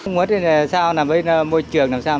nguyên liệu là sao làm với môi trường